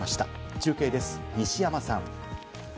中継です、西山さん。